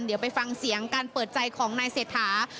เดี๋ยวไปฟังเสียงการเปิดใจของนายเศรษฐา